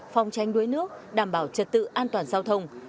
phòng tranh đuối nước đảm bảo trật tự an toàn giao thông